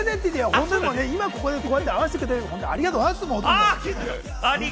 今ここでこうやって会わせてくれたように、ありがとうございます本当に。